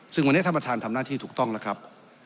ซึ่งวันนี้ท่านประธานทำหน้าที่ถูกต้องแล้วครับ